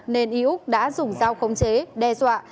nên ý úc đã dùng rau khống chế đe dọa